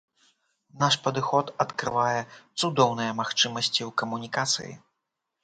Наш падыход адкрывае цудоўныя магчымасці ў камунікацыі.